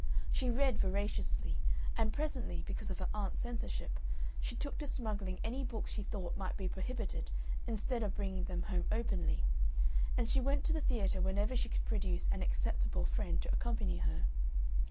She read voraciously, and presently, because of her aunt's censorship, she took to smuggling any books she thought might be prohibited instead of bringing them home openly, and she went to the theatre whenever she could produce an acceptable friend to accompany her.